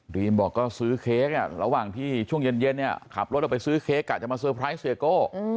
รีมบอกก็ซื้อเค้กระหว่างที่ช่วงเย็นเนี่ยขับรถออกไปซื้อเค้กจะมาเตอร์ไพรส์เสียโก้